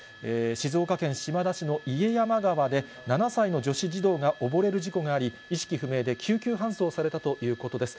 静岡県島田市の家山川で、７歳の女子児童がおぼれる事故があり、意識不明で救急搬送されたということです。